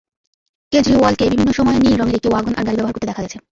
কেজরিওয়ালকে বিভিন্ন সময় নীল রঙের একটি ওয়াগন-আর গাড়ি ব্যবহার করতে দেখা গেছে।